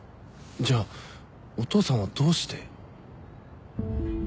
じゃあお父さんはどうして？